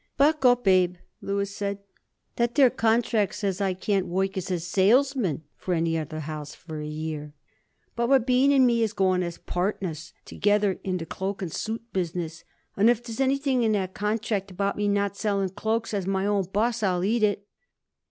"Back up, Abe," Louis said. "That there contract says I can't work as a salesman for any other house for a year. But Rabin and me is going as partners together in the cloak and suit business, and if there's anything in that contract about me not selling cloaks as my own boss I'll eat it."